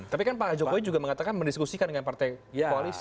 tapi kan pak jokowi juga mengatakan mendiskusikan dengan partai koalisi